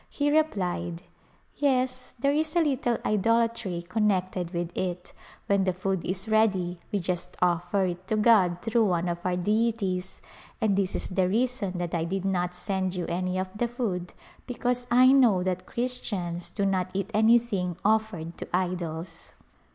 He replied, " Yes, there is a little idolatry connected with it ; when the food is ready we just offer it to God through one of our deities, and this is the reason that I did not send you any of the food be cause I know that Christians do not eat anything offered to idols."